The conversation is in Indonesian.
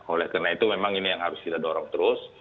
oleh karena itu memang ini yang harus kita dorong terus